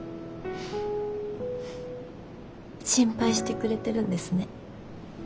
心配してくれてるんですね。